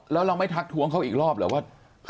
แล้วเราไม่ทักทวงเขาอีกรอบเหรอว่า